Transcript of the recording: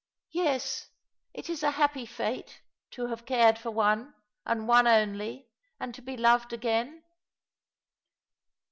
"Yes, it is a happy fate — to have cared for one, and one only, and to be loved again.